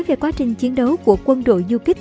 về quá trình chiến đấu của quân đội du kích